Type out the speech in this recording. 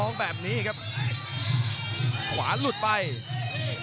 กำปั้นขวาสายวัดระยะไปเรื่อย